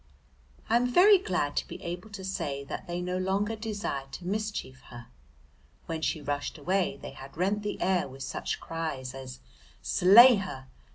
I am very glad to be able to say that they no longer desired to mischief her. When she rushed away they had rent the air with such cries as "Slay her!"